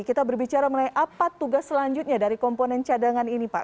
kita berbicara mengenai apa tugas selanjutnya dari komponen cadangan ini pak